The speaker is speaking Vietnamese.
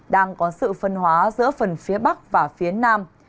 đang có sự phân hóa giữa phần phía bắc và phía nam